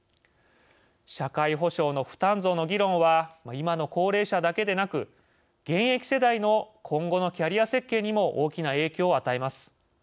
社会保障の負担増の議論は今の高齢者だけでなく現役世代の今後のキャリア設計にも大きな影響を与えます。